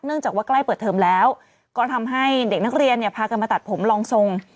จากว่าใกล้เปิดเทอมแล้วก็ทำให้เด็กนักเรียนเนี่ยพากันมาตัดผมลองทรง